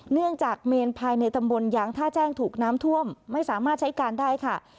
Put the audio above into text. เนื่องจากเมนภายในตำบลยางท่าแจ้งถูกน้ำท่วมไม่สามารถใช้การได้ค่ะ